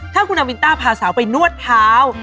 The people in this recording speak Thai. ถ้าคุณนาวินต้าพาสาวไปนวดเท้า